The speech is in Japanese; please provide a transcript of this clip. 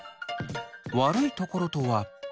悪いところとは。